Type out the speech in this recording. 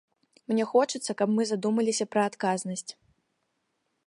Мне хочацца, каб мы задумаліся пра адказнасць.